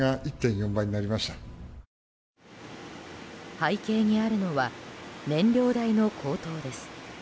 背景にあるのは燃料代の高騰です。